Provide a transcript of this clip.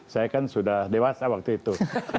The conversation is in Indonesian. saya kan sudah dewasa waktu itu